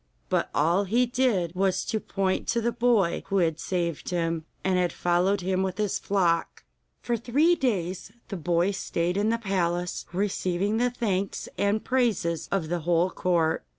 But all he did was to point to the boy who had saved him, and had followed him with his flock. For three days the boy stayed in the palace, receiving the thanks and praises of the whole court.